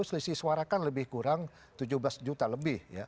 selisih suara kan lebih kurang tujuh belas juta lebih